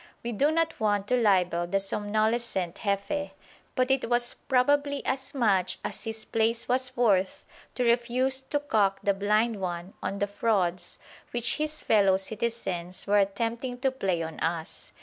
We do not want to libel the somnolescent Jefe, but it was probably as much as his place was worth to refuse to "cock the blind 'un" on the frauds which his fellow citizens were attempting to play on us.